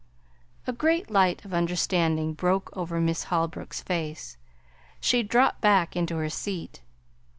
A great light of understanding broke over Miss Holbrook's face. She dropped back into her seat.